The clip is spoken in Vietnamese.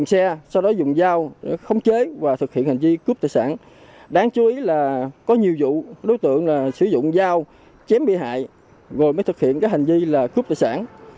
các đối tượng đã thực hiện hành vi cướp tài sản đáng chú ý là có nhiều vụ đối tượng sử dụng dao chém bị hại rồi mới thực hiện hành vi cướp tài sản